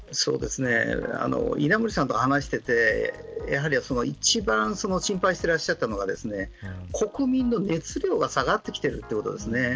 稲盛さんと話していて一番心配していらっしゃったのが国民の熱量が下がってきていることです。